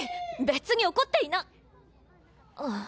別に怒っていなハァ。